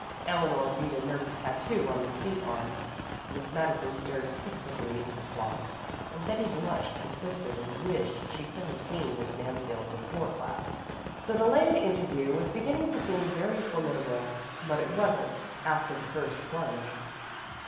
Eleanor beat a nervous tattoo on the seat arm, Miss Madison stared fixedly at the clock, and Betty blushed and twisted and wished she could have seen Miss Mansfield before class. The delayed interview was beginning to seem very formidable. But it wasn't, after the first plunge.